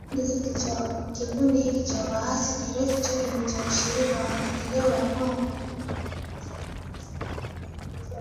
kikundi hiki cha waasi kirefu chake ni 'Ushirika kwa maendeleo ya Kongo' ni kundi la kisiasa na kidini ambalo linadai linawakilisha maslahi ya kabila la walendu